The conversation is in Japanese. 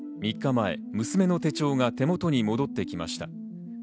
３日前、娘の手帳が手元に戻ってきました。